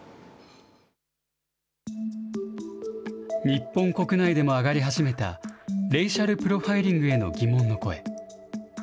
日本国内でも上がり始めた、レイシャルプロファイリングへの疑問の声。